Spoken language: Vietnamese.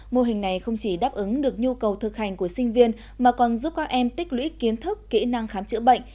mô hình này không chỉ đáp ứng được nhu cầu thực hành của sinh viên mà còn giúp các em tích lũy kiến thức kỹ năng khám chữa bệnh